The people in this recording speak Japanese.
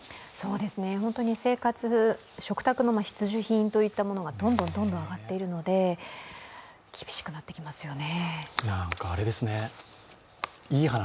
本当に生活、食卓の必需品がどんどん上がっているので厳しくなってきますよね。